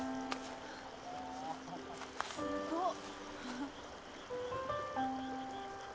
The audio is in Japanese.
すごっ！